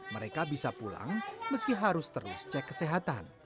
mereka bisa pulang meski harus terus cek kesehatan